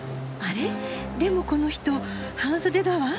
でもこの人半袖だわ。